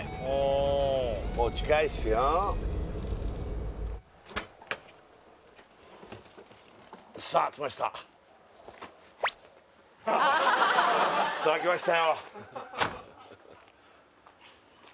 もうさあ来ました